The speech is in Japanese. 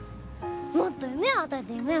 もっと夢を与えて夢を！